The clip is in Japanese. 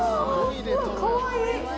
かわいい！